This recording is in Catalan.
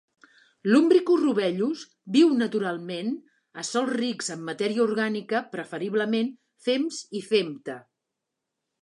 "Lumbricus rubellus" viu, naturalment, a sòls rics en matèria orgànica, preferiblement fems i femta.